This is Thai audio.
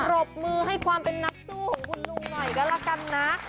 รบมือให้ความเป็นนักสู้คุณลุงรักกับน้า